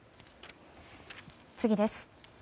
次です。